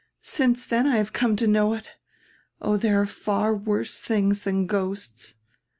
Since then I have come to know it Oh, diere are far worse tilings than ghosts.